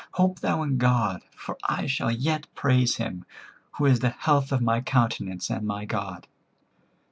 Hope thou in God: for I shall yet praise him, who is the health of my countenance, and my God."